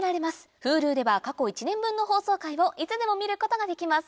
Ｈｕｌｕでは過去１年分の放送回をいつでも見ることができます